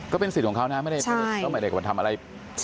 ก็เป็นสิทธิ์ของเขานะไม่ได้มาทำอะไร